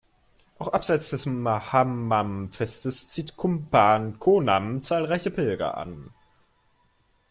Auch abseits des Mahamaham-Festes zieht Kumbakonam zahlreiche Pilger an.